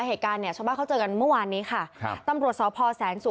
เหตุการณ์เนี่ยชาวบ้านเขาเจอกันเมื่อวานนี้ค่ะครับตำรวจสพแสนสุก